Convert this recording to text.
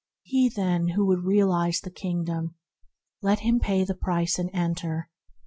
He, then, who would realize the Kingdom, let him pay the price and enter.